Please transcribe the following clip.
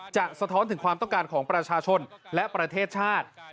สะท้อนถึงความต้องการของประชาชนและประเทศชาติ